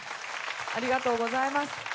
ありがとうございます。